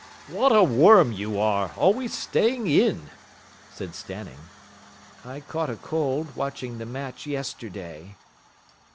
"What a worm you are, always staying in!" said Stanning. "I caught a cold watching the match yesterday."